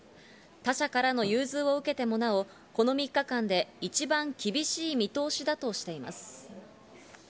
他社からの融通を受けてもなお、この３日間で一番厳しい見通しだとしています。